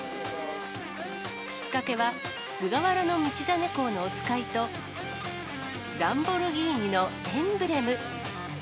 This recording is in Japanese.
きっかけは、菅原道真公のお使いと、ランボルギーニのエンブレム。